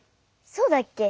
そうだっけ？